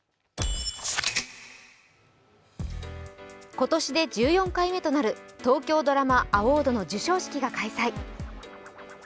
今年で１４回目となる東京ドラマアウォードの授賞式が開催。